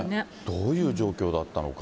どういう状況だったのか。